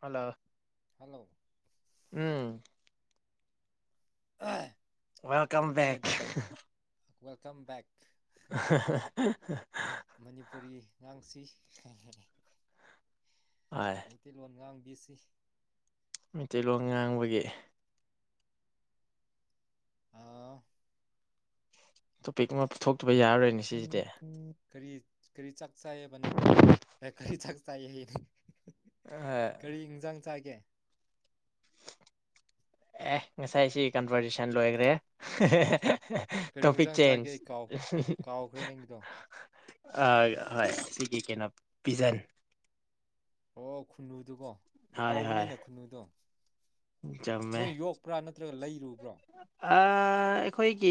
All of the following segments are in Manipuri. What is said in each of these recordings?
Hello hello um uh welcome back welcome back Manipuri ꯉꯥꯡꯁꯤ ꯍꯣꯏ [inaudible] ꯃꯩꯇꯩꯂꯣꯟ ꯉꯥꯡ ꯑꯩꯁꯤ ꯃꯩꯇꯩꯂꯣꯟ ꯉꯥꯡꯕꯒꯤ ꯇꯣꯄꯤꯛ ꯃꯥ ꯄꯨꯊꯣꯛ ꯀꯔꯤ ꯀꯔꯤ ꯆꯥꯛ ꯆꯥꯏꯌꯦꯕ ꯅꯪ ꯑꯦ ꯀꯔꯤ ꯆꯥꯛ ꯆꯥꯏꯌꯦ ꯀꯔꯤ ꯏꯟꯖꯥꯡ ꯆꯥꯏ ꯌꯦ ꯑꯦ ꯉꯁꯥꯏꯁꯤ ꯀꯟꯚꯔꯁꯦꯁꯟ ꯂꯣꯏꯒ꯭ꯔꯦ ꯀꯔꯤ ꯇꯣꯄꯤꯛ ꯏꯟꯖꯥꯡ ꯆꯥꯒꯦ ꯆꯦꯟꯖ ꯑꯩ ꯀꯥꯎ ꯀꯥꯎꯈ꯭ꯔꯦ ꯅꯪꯒꯤꯗꯣ ꯑ ꯍꯣꯏ ꯁꯤꯒꯤ ꯀꯩꯅꯣ ꯄꯤꯖꯟ ꯑꯣ ꯈꯨꯅꯨꯗꯨꯀꯣ ꯍꯣꯏ ꯍꯣꯏ ꯍꯥꯎꯕꯅꯤꯅꯦ ꯈꯨꯅꯨꯗꯣ ꯆꯨꯝꯃꯦ ꯅꯣꯏ ꯌꯣꯛꯄ꯭ꯔꯥ ꯅꯠꯇ ꯅꯠꯇ꯭ꯔꯒ ꯂꯩꯔꯨ ꯕꯔꯣ ꯑ ꯑꯩꯈꯣꯏꯒꯤ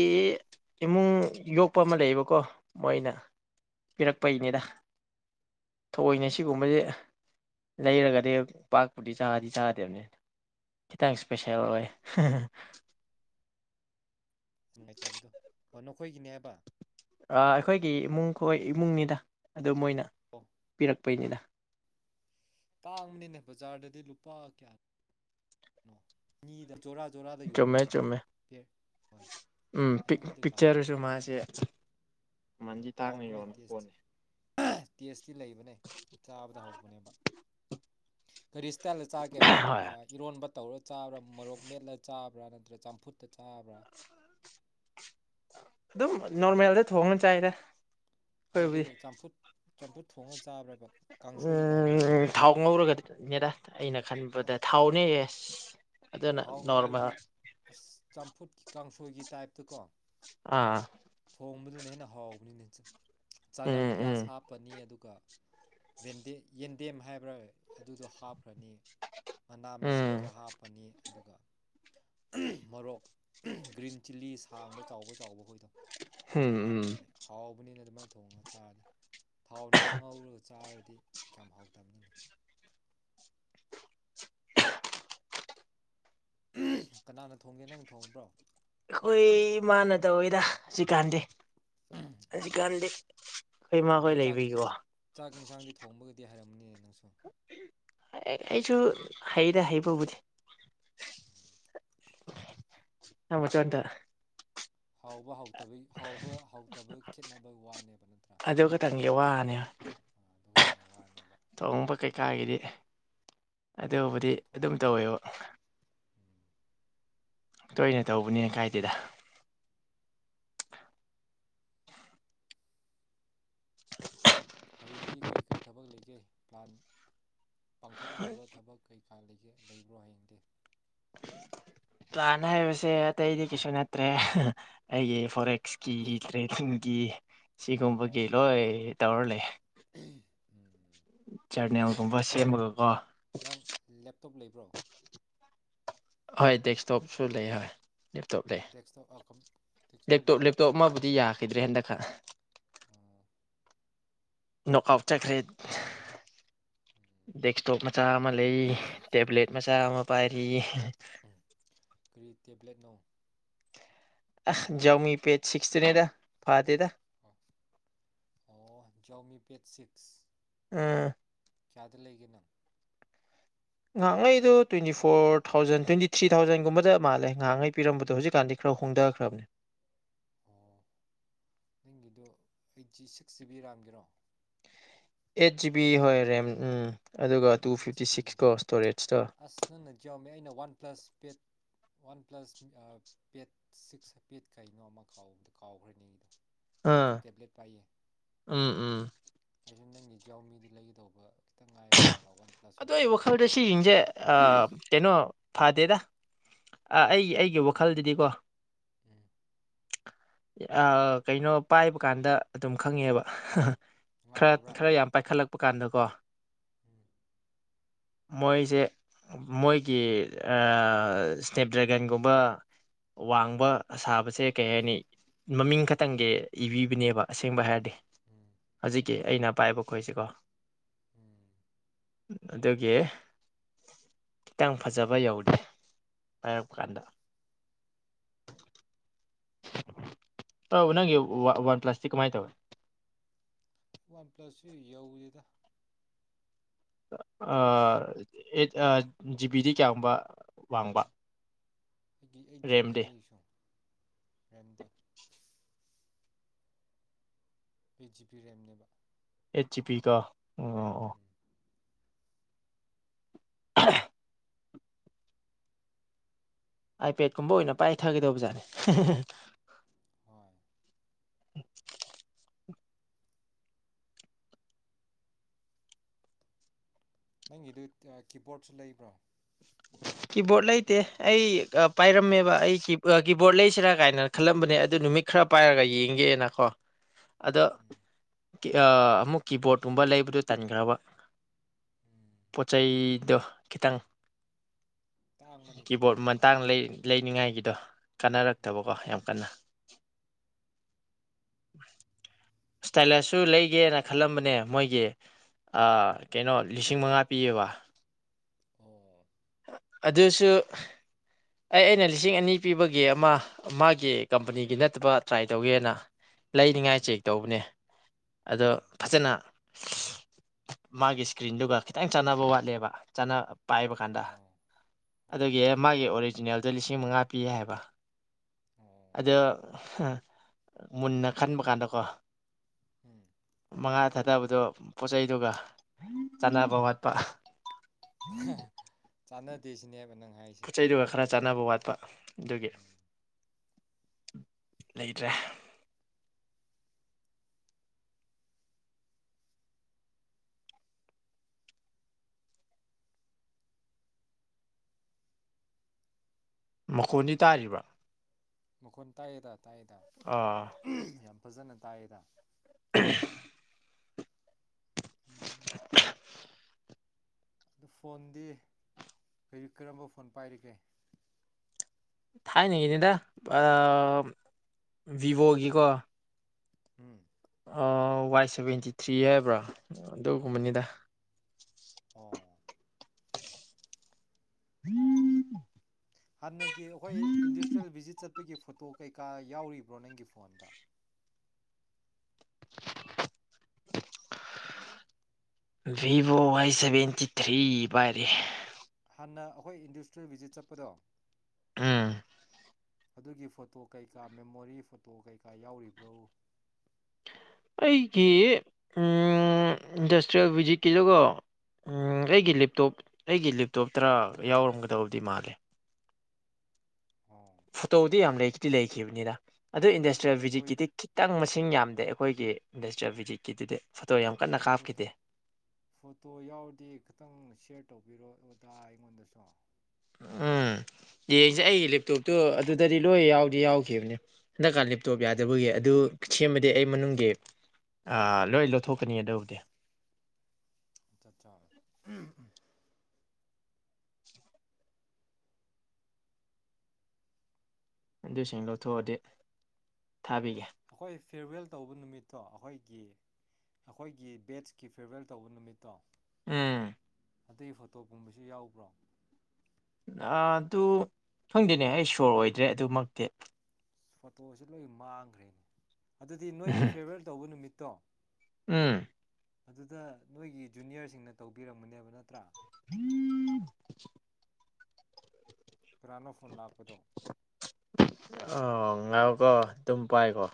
ꯏꯃꯨꯡ ꯌꯣꯛꯄ ꯑꯃ ꯂꯩꯌꯦꯕꯀꯣ ꯃꯣꯏꯅ ꯄꯤꯔꯛꯄꯩꯅꯦꯗ ꯊꯣꯏꯅ ꯁꯤꯒꯨꯝꯕꯁꯦ ꯂꯩꯔꯒꯗꯤ ꯄꯥꯛꯄꯨꯗꯤ ꯆꯥꯗꯤ ꯆꯥꯗꯦꯕꯅꯤ ꯈꯤꯇꯪ ꯏꯁꯄꯤꯁꯦꯜꯕꯨꯗꯤ ꯑꯣꯏ ꯅꯨꯡꯉꯥꯏꯇꯕꯗꯣ ꯑꯣ ꯅꯈꯣꯏꯒꯤꯅꯦ ꯍꯥꯏꯕ ꯑꯩꯈꯣꯏꯒꯤ ꯏꯃꯨꯡ ꯈꯣꯏ ꯏꯃꯨꯡꯅꯤꯗ ꯑꯗꯨ ꯃꯣꯏꯅ ꯑꯣ ꯄꯤꯔꯛ ꯄꯩꯅꯤꯗ ꯇꯥꯡꯕꯅꯤꯅꯦ ꯕꯖꯥꯔꯗꯗꯤ ꯂꯨꯄꯥ ꯀꯌꯥꯅꯣ ꯅꯤꯗ ꯆꯨꯝꯃꯦ ꯆꯨꯝꯃꯦ ꯍꯣꯏ ꯎꯝ ꯄꯤꯛ ꯑꯅꯤꯗ ꯀꯌꯥꯅꯣ ꯄꯤꯛꯆꯔꯁꯨ ꯃꯥꯁꯦ ꯍꯣꯏ ꯃꯃꯟꯗꯤ ꯇꯥꯡꯅ ꯍꯥꯎꯕꯅꯦ ꯌꯣꯟꯕ ꯇꯦꯁꯇꯤ ꯄꯣꯠꯅꯤ ꯇꯦꯁꯇꯤ ꯂꯩꯕꯅꯦ ꯆꯥꯕꯗ ꯍꯧꯕꯅꯦꯕ ꯀꯔꯤ ꯏꯁꯇꯥꯏꯜꯗ ꯆꯥꯒꯦ ꯍꯣꯏ ꯏꯔꯣꯟꯕ ꯇꯧꯔ ꯆꯥꯕ꯭ꯔꯥ ꯃꯣꯔꯣꯛ ꯃꯦꯠꯂ ꯆꯥꯕ꯭ꯔꯥ ꯅꯠꯇ꯭ꯔ ꯆꯝꯐꯨꯠꯇ ꯆꯥꯕ꯭ꯔꯥ ꯑꯗꯨꯝ ꯅꯣꯔꯃꯦꯜꯗ ꯊꯣꯡꯉ ꯆꯥꯏꯗ ꯍꯥꯏꯕꯗꯤ ꯑꯩꯈꯣꯏꯕꯨꯗꯤ ꯆꯝꯐꯨꯠ ꯆꯝꯐꯨꯠ ꯊꯣꯡꯉ ꯆꯥꯕ꯭ꯔꯕ ꯀꯥꯡꯁꯣꯏꯒꯤ ꯇꯥꯏꯞꯇ ꯎꯝ ꯊꯥꯎ ꯉꯧꯔꯒꯗꯤꯅꯦꯗ ꯑꯩꯅ ꯑꯣ ꯈꯟꯕꯗ ꯊꯥꯎꯅꯦ ꯑꯦꯁ ꯊꯥꯎ ꯉꯧꯔꯗꯤ ꯑꯁ ꯆꯝꯐꯨꯠꯀꯤ ꯀꯥꯡꯁꯨ ꯑꯣꯏꯒꯤ ꯇꯥꯏꯞꯇ ꯀꯣ ꯑꯥ ꯊꯣꯡꯕꯗꯨꯅ ꯍꯦꯟꯅ ꯍꯥꯎꯕꯅꯤꯅꯦ ꯆꯅꯝ ꯎꯝ ꯄꯤꯌꯥꯁ ꯎꯝ ꯍꯥꯞꯄꯅꯤ ꯑꯗꯨꯒ ꯌꯦꯟꯗꯦ ꯌꯦꯟꯗꯦꯝ ꯍꯥꯏꯕ꯭ꯔꯥ ꯑꯗꯨꯗꯣ ꯍꯥꯞꯈ꯭ꯔꯅꯤ ꯃꯅꯥ ꯃꯁꯤꯡ ꯎꯝ ꯈꯔ ꯍꯥꯞꯄꯅꯤ ꯑꯗꯨꯒ ꯃꯣꯔꯣꯛ ꯒ꯭ꯔꯤꯟ ꯆꯤꯜꯂꯤ ꯁꯥꯡꯕ ꯆꯥꯎꯕ ꯆꯥꯎꯕ ꯍꯣꯏꯗꯣ ꯑꯗꯣ ꯎꯝ ꯎꯝ ꯍꯥꯞꯄꯅꯤ ꯍꯥꯎꯕꯅꯤꯅꯦ ꯑꯗꯨꯃꯥꯏꯅ ꯊꯣꯡꯉꯒ ꯆꯥꯔꯤ ꯊꯥꯎ ꯅꯨꯡ ꯉꯧꯔ ꯆꯥꯔ ꯗꯤ ꯀꯌꯥꯝ ꯍꯥꯎꯇꯝꯅꯤꯅꯦ [unintelligible] ꯀꯅꯥꯅ ꯊꯣꯡꯒꯦ ꯅꯪꯅ ꯊꯣꯡꯕ꯭ꯔꯣ ꯑꯩꯈꯣꯏ ꯃꯥꯅ ꯇꯧꯋꯤꯗ ꯍꯧꯖꯤꯛꯀꯥꯟꯗꯤ ꯑꯣ ꯍꯧꯖꯤꯛꯀꯥꯟꯗꯤ ꯑꯩꯈꯣꯏ ꯃꯥꯍꯣꯏ ꯅꯪꯁꯨ ꯆꯥꯛ ꯂꯩꯕꯩꯀꯣ ꯑꯣ ꯑꯩꯁꯨ ꯍꯩꯗ ꯍꯩꯕꯕꯨꯗꯤ ꯅ ꯃꯆꯣꯟꯗ ꯍꯥꯎꯕ ꯍꯥꯎ ꯍꯥꯎꯕ ꯍꯥꯎꯇꯕ ꯈꯦꯠꯅꯕ ꯋꯥꯅꯦꯕ ꯅꯠꯇ꯭ꯔꯥ ꯑꯗꯨ ꯈꯛꯇꯪꯒꯤ ꯋꯥꯅꯦ ꯈꯛꯇꯪꯒꯤ ꯋꯥꯅꯦꯕ ꯊꯣꯡꯕ ꯀꯩꯀꯥꯒꯤꯗꯤ ꯑꯗꯨꯕꯨꯗꯤ ꯑꯗꯨꯝ ꯊꯣꯡꯕ ꯇꯧꯋꯦꯕ ꯎꯝ ꯇꯣꯏꯅ ꯇꯧꯕꯅꯤꯅ ꯀꯥꯏꯗꯦꯗ ꯍꯌꯦꯡꯗꯤ ꯀꯩꯀꯩ ꯊꯕꯛ ꯂꯩꯒꯦ ꯄ꯭ꯂꯥꯟ ꯄꯥꯡꯊꯣꯛꯅꯕ ꯊꯕꯛ ꯀꯩ ꯥ [unintelligible] ꯂꯩꯕ꯭ꯔꯣ ꯍꯌꯦꯡꯗꯤ ꯄ꯭ꯂꯥꯟ ꯍꯥꯏꯕꯁꯦ ꯑꯇꯩꯗꯤ ꯀꯩꯁꯨ ꯇ꯭ꯔꯦ ꯑꯩꯒꯤ ꯐꯣꯔꯦꯛꯁꯀꯤ ꯇ꯭ꯔꯦꯗꯤꯡꯒꯤ ꯑꯣ ꯁꯤꯒꯨꯝꯕꯒꯤ ꯂꯣꯏ ꯇꯧꯔ ꯂꯩ ꯎꯝ ꯖꯔꯅꯦꯜꯒꯨꯝꯕ ꯁꯦꯝꯃꯒꯀꯣ ꯅꯪ ꯂꯦꯞꯇꯣꯞ ꯂꯩꯕ꯭ꯔꯣ ꯍꯣꯏ ꯗꯦꯛꯁꯇꯣꯞꯁꯨ ꯂꯩ ꯍꯣꯏ ꯂꯦꯞꯇꯣꯞ ꯂꯩ ꯗꯦꯛꯁꯇꯣꯞ ꯑ ꯀꯝ ꯗꯦꯛꯁꯇꯣꯞ ꯂꯦꯞꯇꯣꯞ ꯂꯩꯕ ꯂꯦꯞꯇꯣꯞ ꯑꯃꯕꯨꯗꯤ ꯌꯥꯈꯤꯗ꯭ꯔꯦ ꯍꯟꯗꯛ ꯈꯛ ꯑꯣ ꯅꯣꯛ ꯑꯥꯎꯠ ꯆꯠꯈ꯭ꯔꯦ ꯎꯝ ꯗꯦꯛꯁꯇꯣꯞ ꯃꯆꯥ ꯑꯃ ꯂꯩ ꯇꯦꯕ꯭ꯂꯦꯠ ꯃꯆꯥ ꯑꯃ ꯄꯥꯏꯔꯤ ꯀꯔꯤ ꯇꯦꯕ꯭ꯂꯦꯠꯅꯣ ꯑꯥꯁ ꯖꯎꯃꯤ ꯄꯦꯠ ꯁꯤꯁꯇꯨꯅꯦꯗ ꯐꯥꯗꯦꯗ ꯑꯣ ꯖꯥꯎꯃꯤ ꯄꯦꯠ ꯁꯤꯛꯁ ꯎꯝ ꯀꯌꯥꯗ ꯂꯩꯒꯦ ꯅꯣ ꯉꯥꯏꯍꯥꯛꯉꯩꯗꯣ twenty four thousand twenty three ꯊꯥꯎꯖꯟꯒꯨꯝꯕꯗ ꯃꯥꯜꯂꯦ ꯉꯥꯏꯍꯥꯛꯉꯩ ꯄꯤꯔꯝꯕꯗꯣ ꯍꯧꯖꯤꯛꯀꯥꯟꯗꯤ ꯈꯔ ꯍꯣꯡꯊꯈ꯭ꯔꯕꯅꯦ ꯑꯣ ꯅꯪꯒꯤꯗꯨ ꯑꯩꯠꯖꯤ ꯁꯤꯛꯁ ꯖꯤꯕꯤ ꯔꯥꯝꯒꯤꯔꯣ ꯑꯩꯠ ꯖꯤꯕꯤ ꯍꯣꯏ ꯔꯦꯝ ꯎꯝ ꯑꯗꯨꯒ ꯇꯨ ꯐꯤꯐꯇꯤ ꯁꯤꯛꯁꯀꯣ ꯏꯁꯇꯣꯔꯦꯖꯇꯣ ꯑꯁ ꯅꯪꯅ ꯖꯥꯎꯒꯤ ꯑꯩꯅ ꯋꯥꯟ ꯄ꯭ꯂꯁ ꯄꯦꯠ ꯋꯥꯟ ꯄ꯭ꯂꯁ ꯄꯦꯠ ꯁꯤꯛꯁ ꯄꯦꯠ ꯀꯩꯅꯣ ꯑꯃ ꯀꯕꯗꯣ ꯀꯥꯎ ꯈ꯭ꯔꯦꯅꯦ ꯑꯥ ꯎꯝ ꯎꯝ ꯑꯩꯁꯨ ꯅꯪꯒꯤ ꯏꯖꯎ ꯃꯤꯗꯨ ꯂꯩꯒꯗꯧꯕ ꯈꯤꯇꯪ ꯉꯥꯏꯕꯅꯦ ꯑꯗꯨꯒ ꯋꯥꯟ ꯄ꯭ꯂꯁ ꯑꯗꯣ ꯑꯣꯏꯅ ꯑꯩ ꯂꯩꯈ꯭ꯔꯕ ꯋꯥꯈꯜꯗ ꯁꯤ ꯌꯦꯡꯁꯦ ꯑꯥ ꯀꯩꯅꯣ ꯐꯗꯦꯗ ꯑꯩꯒꯤ ꯑꯩꯒꯤ ꯋꯥꯈꯜꯗꯗꯤꯀꯣ ꯎꯝ ꯀꯩꯅꯣ ꯄꯥꯏꯕ ꯀꯥꯟꯗ ꯑꯗꯨꯝ ꯈꯪꯉꯦꯕ ꯈꯔ ꯅꯨꯡꯉꯥꯏꯇꯕ꯭ꯔꯥ ꯈꯔ ꯌꯥꯝ ꯄꯥꯏꯈꯠꯂꯛꯄ ꯀꯥꯟꯗꯀꯣ ꯎꯝ ꯃꯣꯏꯁꯦ ꯃꯣꯏꯒꯤ ꯏꯁ꯭ꯅꯦꯞ ꯗ꯭ꯔꯦꯒꯟꯒꯨꯝꯕ ꯋꯥꯡꯕ ꯁꯥꯕꯁꯦ ꯀꯩ ꯍꯥꯏꯅꯤ ꯃꯃꯤꯡ ꯈꯛꯇꯪꯒꯤ ꯏꯕꯤꯕꯅꯦꯕ ꯑꯁꯦꯡꯕ ꯍꯥꯏꯔꯗꯤ ꯎꯝ ꯍꯧꯖꯤꯛꯀꯤ ꯑꯩꯅ ꯄꯥꯏꯕ ꯈꯣꯏꯁꯤꯀꯣ ꯎꯝ ꯑꯗꯨꯒꯤ ꯈꯤꯇꯪ ꯐꯖꯕ ꯌꯧꯗꯦ ꯄꯥꯏꯔꯛꯄ ꯀꯥꯟꯗ ꯇꯧ ꯅꯪꯒꯤ ꯋꯥꯟ ꯄ꯭ꯂꯥꯁꯇꯤ ꯀꯃꯥꯏ ꯇꯋ ꯋꯥꯟ ꯄ꯭ꯂꯁꯁꯨ ꯌꯧꯋꯦꯗ ꯑꯦꯠ ꯖꯤꯕꯤꯗꯤ ꯀꯌꯥꯒꯨꯝꯕ ꯋꯥꯡꯕ ꯑꯩꯒꯤ ꯑꯩꯠ ꯔꯦꯝꯗꯤ ꯖꯤꯕꯤꯅꯦ ꯑꯩꯁꯨ ꯔꯦꯝꯗꯣ ꯑꯩꯠ ꯖꯤꯕꯤ ꯔꯦꯝꯅꯦꯕ eight ꯒꯤ ꯕꯤ ꯀꯣ ꯎꯝ [inaudible] ꯑꯥꯏꯄꯦꯗꯀꯨꯝꯕ ꯑꯣꯏꯅ ꯄꯥꯏꯊꯒꯗꯧꯕ ꯖꯥꯠꯅꯦ ꯍꯣꯏ [inaudible] ꯅꯪꯒꯤꯗꯨ ꯀꯤꯕꯣꯔꯗꯁꯨ ꯂꯩꯕ꯭ꯔꯣ ꯀꯤꯕꯣꯔꯠ ꯂꯩꯇꯦ ꯑꯩ ꯄꯥꯏꯔꯝꯃꯦꯕ ꯑꯩ ꯀꯤꯕꯣꯔꯠ ꯂꯩꯁꯤꯔꯥ ꯀꯥꯏꯅ ꯈꯜꯂꯝꯕꯅꯦ ꯑꯗꯨ ꯅꯨꯃꯤꯠ ꯈꯔ ꯄꯥꯏꯔꯒ ꯌꯦꯡꯒꯦꯅꯀꯣ ꯑꯗꯣ ꯎꯝ ꯑꯃꯨꯛ ꯀꯤꯕꯣꯔꯠꯀꯨꯝꯕ ꯂꯩꯕꯗꯣ ꯇꯟꯈ꯭ꯔꯕ ꯎꯝ ꯄꯣꯠ ꯆꯩꯗꯣ ꯈꯤꯇꯪ ꯇꯥꯡꯕꯅꯦ ꯀꯤꯕꯣꯔꯠ ꯀꯤꯕꯣꯔꯗꯇꯨ ꯃꯇꯥꯡ ꯑꯃꯨꯛꯀ ꯂꯩꯅꯤꯉꯥꯏꯒꯤꯗꯣ ꯎꯝ ꯀꯥꯟꯅꯔꯛꯇꯕꯀꯣ ꯌꯥꯝ ꯀꯟꯅ ꯏꯁꯇꯥꯏꯂꯁꯁꯨ ꯂꯩꯒꯦꯅ ꯈꯜꯂꯝꯕꯅꯦ ꯃꯣꯏꯒꯤ ꯀꯩꯅꯣ ꯂꯤꯁꯤꯡ ꯃꯉꯥ ꯄꯤꯌꯦꯕ ꯑꯣ ꯑꯗꯨꯁꯨ ꯑꯩ ꯑꯩꯅ ꯂꯤꯁꯤꯡ ꯑꯅꯤ ꯄꯤꯕꯒꯤ ꯑꯃ ꯃꯥꯒꯤ ꯀꯝꯄꯅꯤꯒꯤ ꯅꯠꯇꯕ ꯇ꯭ꯔꯥꯏ ꯇꯧꯒꯦꯅ ꯂꯩꯅꯤꯉꯥꯏ ꯎꯝ ꯆꯦꯛ ꯇꯧꯕꯅꯦ ꯑꯗꯣ ꯎꯝ ꯐꯖꯅ ꯃꯥꯒꯤ ꯏꯁꯀ꯭ꯔꯤꯟꯗꯨꯒ ꯈꯤꯇꯪ ꯆꯥꯅꯕ ꯋꯥꯠꯂꯦꯕ ꯄꯥꯏꯕ ꯀꯥꯟꯗ ꯑꯣ ꯑꯣꯀꯦ ꯑꯗꯨꯒꯤ ꯑꯣꯀꯦ ꯃꯥꯒꯤ ꯑꯣꯔꯤꯖꯤꯅꯦꯜꯗꯣ ꯂꯤꯁꯤꯡ ꯃꯉꯥ ꯄꯤ ꯍꯥꯏꯕ ꯑꯣ ꯑꯗꯣ ꯃꯨꯟꯅ ꯈꯟꯕ ꯀꯥꯟꯗꯀꯣ ꯎꯝ ꯃꯉꯥ ꯊꯥꯗꯕꯗꯣ ꯄꯣꯠ ꯆꯩꯗꯨꯒ ꯆꯥꯟꯅꯕ ꯋꯥꯠꯄ [inaudible] ꯆꯥꯟꯅꯗꯁꯅꯦ ꯪ [inaudible] ꯄꯣꯠ ꯆꯩꯗꯨꯒꯥ ꯈꯔ ꯆꯥꯟꯅꯕ ꯋꯥꯠꯄ ꯑꯗꯨꯒꯤ ꯎꯝ ꯂꯩꯇ꯭ꯔꯦ ꯃꯈꯣꯟꯅꯤ ꯇꯥꯔꯤꯕ ꯃꯈꯣꯟ ꯇꯥꯏꯌꯦꯗꯥ ꯇꯥꯏꯗ ꯑꯥ ꯌꯥꯝ ꯐꯖꯅ ꯇꯥꯏꯌꯦꯗ [inaudible] ꯎꯨꯝ ꯑꯗꯨ ꯐꯣꯟꯗꯤ ꯀꯔꯤ ꯀꯔꯝꯕ ꯐꯣꯟ ꯄꯥꯏꯔꯤꯒꯦ? ꯊꯥꯏꯅꯒꯤꯅꯤꯗ ꯑꯝ ꯑ ꯚꯤꯚꯣꯒꯤꯀꯣ ꯎꯨꯝ ꯑꯥ ꯋꯥꯏ ꯁꯦꯚꯦꯟꯇꯤ-ꯊ꯭ꯔꯤ ꯍꯥꯏꯕ꯭ꯔꯥ ꯑꯗꯨꯒꯨꯝꯕꯅꯤꯗ ꯑꯣ ꯍꯨꯝꯝ ꯍꯥꯟꯅꯒꯤ ꯑꯈꯣꯏ ꯏꯟꯗꯁꯇ꯭ꯔꯤꯌꯦꯜ ꯚꯤꯖꯤꯠ ꯆꯠ ꯄꯥꯒꯤ ꯐꯣꯇꯣ ꯀꯩ-ꯀꯥ ꯌꯥꯎꯔꯤꯕ꯭ꯔꯣ ꯅꯪꯒꯤ ꯐꯣꯟꯗ ꯚꯤꯚꯣ ꯋꯥꯏ ꯁꯦꯚꯦꯟꯇꯤ ꯊ꯭ꯔꯤ ꯄꯥꯏꯔꯤ ꯍꯥꯟꯅ ꯑꯈꯣꯏ ꯏꯟꯗꯁꯇ꯭ꯔꯤꯌꯦꯜ ꯚꯤꯖꯤꯠ ꯆꯠꯄꯗꯣ ꯎꯨꯝ ꯑꯗꯨꯒꯤ ꯐꯣꯇꯣ ꯀꯩ-ꯀꯥ ꯃꯦꯃꯣꯔꯤ ꯐꯣꯇꯣ ꯀꯩ-ꯀꯥ ꯌꯥꯎꯔꯤꯕ꯭ꯔꯣ ꯑꯩꯒꯤ ꯏꯟꯗꯁꯇ꯭ꯔꯤꯌꯦꯜ ꯚꯨꯖꯤꯠꯀꯤꯗꯨꯒ ꯎꯝ ꯑꯩꯒꯤ ꯂꯦꯞꯇꯣꯞ ꯑꯩꯒꯤ ꯂꯦꯞꯇꯣꯞꯇꯔ ꯌꯥꯎꯔꯝꯒꯗꯕꯗꯤ ꯃꯥꯜꯂꯤ ꯑꯣ ꯐꯣꯇꯣꯗꯤ ꯌꯥꯝ ꯂꯩꯗꯤ ꯂꯩꯈꯤꯕꯅꯤꯗ ꯑꯗꯨ ꯏꯟꯗꯁꯇ꯭ꯔꯤꯌꯦꯜ ꯐꯣꯇꯣ ꯚꯤꯖꯤꯠꯀꯤꯗꯤ ꯈꯤꯇꯪ ꯃꯁꯤꯡ ꯌꯥꯝ ꯗꯦ ꯑꯩꯈꯣꯏꯒꯤꯗꯨꯗꯤ ꯏꯟꯗꯁꯇ꯭ꯔꯤꯌꯦꯜ ꯕꯤꯖꯤꯠꯀꯤꯗꯨꯗꯤ ꯐꯠꯇ ꯐꯣꯇꯣ ꯐꯣꯇꯣ ꯌꯥꯎꯔꯗꯤ ꯈꯤꯇꯪ ꯁꯤꯌꯥꯔ ꯇꯧꯕꯤꯔꯣ ꯗ ꯑꯩꯉꯣꯟꯗꯁꯨ ꯎꯝ ꯌꯦꯡꯁꯤ ꯑꯩꯒꯤ ꯂꯦꯞꯇꯣꯞꯇꯣ ꯑꯗꯨꯗꯗꯤ ꯂꯣꯏ ꯌꯥꯎꯗꯤ ꯌꯥꯎꯒꯤꯕꯅꯤ ꯍꯟꯗꯛꯀꯥꯟ ꯂꯦꯞꯇꯣꯞ ꯌꯥꯗꯕꯒꯤ ꯑꯗꯨ ꯁꯦꯝꯃꯗꯤ ꯑꯩ ꯃꯅꯨꯡꯒꯤ ꯂꯣꯏ ꯂꯧꯊꯣꯛꯀꯅꯤ ꯑꯗꯨꯕꯨꯗꯤ ꯆꯥꯛ ꯆꯥꯔꯕꯣ ꯎꯨꯍꯍ ꯑꯗꯨ ꯁꯦꯜ ꯂꯧꯊꯣꯛꯑꯗꯤ ꯊꯥꯕꯤꯒꯦ ꯑꯩꯈꯣꯏ ꯐꯦꯌꯥꯔꯋꯦꯜ ꯇꯧꯕ ꯅꯨꯃꯤꯠꯇꯣ ꯑꯩꯈꯣꯏꯒꯤ ꯑꯩꯈꯣꯏꯒꯤ ꯕꯦꯠꯁꯀꯤ ꯐꯤꯌꯥꯔꯋꯦꯜ ꯇꯧꯕ ꯅꯨꯃꯤꯠꯇꯣ ꯎꯨꯝ ꯑꯗꯨꯒꯤ ꯐꯣꯇꯣ ꯒꯨꯝꯕꯁꯨ ꯌꯥꯎꯕ꯭ꯔꯣ ꯑꯗꯨ ꯈꯪꯗꯦꯅꯦ ꯑꯩ ꯁꯤꯌꯣꯔ ꯑꯣꯏꯗ꯭ꯔꯦ ꯑꯗꯨꯃꯛꯇꯤ ꯐꯣꯇꯣꯁꯨ ꯂꯣꯏ ꯃꯥꯡꯈ꯭ꯔꯦꯅꯦ ꯑꯗꯨꯗꯤ ꯅꯣꯏꯒꯤ ꯐꯤꯌꯥꯋꯦꯜ ꯇꯧꯕ ꯅꯨꯃꯤꯠ ꯇꯣ ꯎꯨꯝ ꯑꯗꯨꯗ ꯅꯣꯏꯒꯤ ꯖꯨꯅꯤꯌꯔꯁꯤꯡꯅ ꯇꯧꯕꯤꯔꯝꯒꯅꯦꯕ ꯅꯠꯇ꯭ꯔꯥ ꯍꯨꯝꯍ ꯀꯅꯥꯅꯣ ꯐꯣꯟ ꯂ ꯄꯗꯣ ꯑ ꯉꯥꯏꯈꯣꯀꯣ ꯑꯗꯨꯝ ꯄꯥꯏꯀꯣ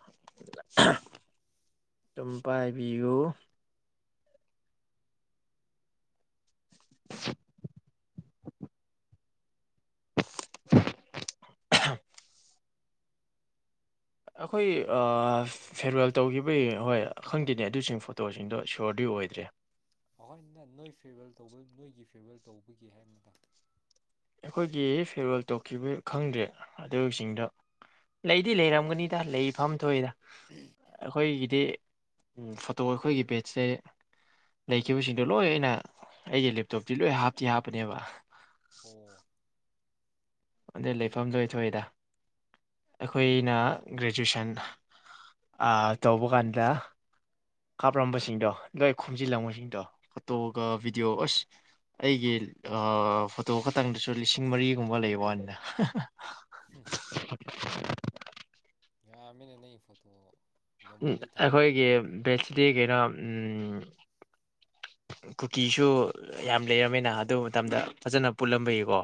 ꯑꯗꯨꯝ ꯄꯥꯏꯕꯤꯌꯨ [inaudible] ꯑꯍ ꯑꯩꯈꯣꯏ ꯐꯦꯌꯥꯔꯋꯦꯜ ꯇꯧꯈꯤꯕꯒꯤ ꯍꯣꯏ ꯈꯪꯗꯦꯅꯦ ꯑꯗꯨꯁꯤꯡ ꯐꯣꯇꯣꯁꯤꯡꯗꯣ ꯁꯤꯌꯣꯔꯗꯤ ꯑꯣꯏꯗ꯭ꯔꯦ ꯑꯩꯈꯣꯏꯅ ꯅꯣꯏ ꯐꯦꯌꯥꯔꯋꯦꯜꯍ ꯇꯧꯕ ꯅꯣꯏꯒꯤ ꯐꯦꯌꯥꯔꯋꯦꯜ ꯇꯧꯕꯒꯤ ꯍꯥꯏꯕ ꯑꯩꯈꯣꯏꯒꯤ ꯐꯦꯌꯥꯔꯋꯦꯜ ꯇꯣꯛꯈꯤꯕ ꯈꯪꯗꯦ ꯑꯗꯨꯁꯤꯡꯗꯣ ꯂꯩꯗꯤ ꯂꯩꯔꯝꯒꯅꯤꯗ ꯂꯩ ꯐꯝ ꯊꯣꯛꯏꯗ ꯎꯝ ꯑꯈꯣꯏꯒꯤꯗꯤ ꯎꯨꯝ ꯐꯣꯇꯣ ꯑꯩꯈꯣꯏꯒꯤ ꯄꯦꯖꯇꯁꯦ ꯂꯩꯈꯤꯕꯁꯤꯡꯗꯣ ꯂꯣꯏ ꯑꯩꯅ ꯑꯩꯒꯤ ꯂꯦꯞꯇꯣꯞꯇꯤ ꯂꯣꯏ ꯍꯥꯞꯇꯤ ꯍꯥꯞꯄꯅꯦꯕ ꯑꯣ ꯑꯗꯩ ꯂꯩꯐꯝ ꯂꯣꯏ ꯊꯣꯛꯏꯗ ꯎꯝ ꯑꯩꯈꯣꯏꯅ ꯒ꯭ꯔꯦꯖꯨꯋꯌꯦꯁꯟ ꯇꯧꯕ ꯀꯥꯟꯗ ꯀꯥꯞꯂꯝꯝꯕꯁꯤꯡꯗꯣ ꯎꯝ ꯂꯣꯏ ꯎꯝ ꯈꯣꯝꯖꯤꯜꯂꯝꯕꯁꯤꯡꯗꯣ ꯐꯣꯇꯣꯒ ꯚꯤꯗꯤꯑꯣ ꯑꯁ ꯑꯩꯒꯤ ꯑ ꯐꯣꯇꯣ ꯈꯇꯪꯗꯁꯨ ꯂꯤꯁꯤꯡ ꯃꯔꯤꯒꯨꯝꯕ ꯂꯩꯕ ꯋꯥꯅꯤꯅ [inaudible] ꯑ ꯃꯅꯦ ꯅ ꯐꯠꯇ ꯎ ꯑꯩꯈꯣꯏꯒꯤ ꯕꯦꯠꯁꯤꯗꯤ ꯀꯩꯅꯣ ꯎ ꯀꯨꯀꯤꯁꯨ ꯌꯥꯝ ꯂꯩꯔꯝꯃꯦꯅ ꯑꯗꯨ ꯃꯇꯝꯗ ꯐꯖꯅ ꯄꯨꯜꯂꯝꯕꯒꯤꯀꯣ